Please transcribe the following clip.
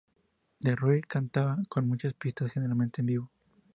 The Rev cantaba en muchas pistas generalmente en vivo.